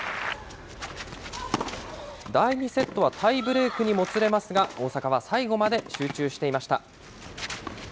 第２セットはタイブレークにもつれますが、大坂は最後まで集中していました。